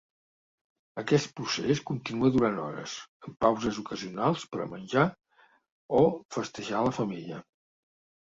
Aquest procés continua durant hores, amb pauses ocasionals per a menjar o festejar la femella.